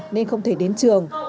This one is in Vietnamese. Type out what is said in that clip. nên không thể đến trường